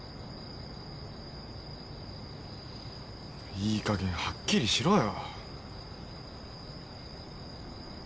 いいかげんはっきりしろよ。